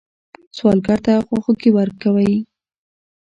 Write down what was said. سوالګر ته خواخوږي ورکوئ